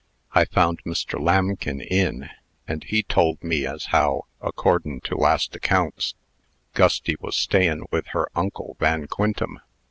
I found Mr. Lambkin in, and he told me as how, accordin' to last accounts, Gusty was stayin' with her uncle Van Quintem.